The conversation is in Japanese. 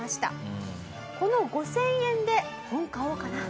「この５０００円で本買おうかな」。